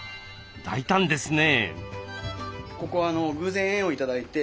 大胆ですね。